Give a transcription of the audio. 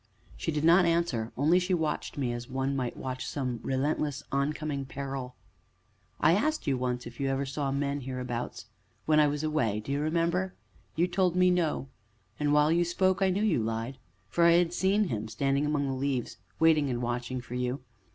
She did not answer, only she watched me as one might watch some relentless, oncoming peril. "I asked you once if you ever saw men hereabouts when I was away, do you remember? You told me, 'no,' and, while you spoke, I knew you lied, for I had seen him standing among the leaves, waiting and watching for you.